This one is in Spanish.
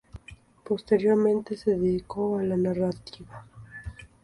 Posteriormente se dedicó a la narrativa.